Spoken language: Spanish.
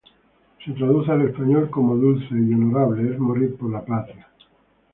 Se traduce al Español como: "Dulce y honorable es morir por la patria".